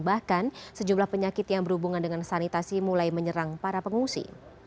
bahkan sejumlah penyakit yang berhubungan dengan sanitasi mulai menyerang para pengungsi